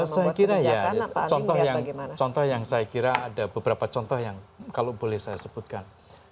saya kira ya contoh yang saya kira ada beberapa contoh yang kalau boleh saya sebutkan